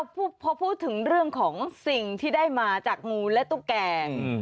พอพูดถึงเรื่องของสิ่งที่ได้มาจากงูและตุ๊กแก่